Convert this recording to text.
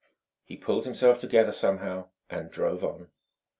He pulled himself together, somehow, and drove on.